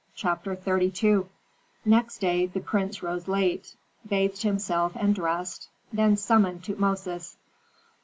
CHAPTER XXXII Next day the prince rose late, bathed himself and dressed, then summoned Tutmosis.